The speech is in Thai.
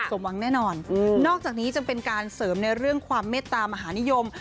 สมหวังแน่นอนนอกจากนี้จะเป็นการเสริมในเรื่องความเมตตามหานิยม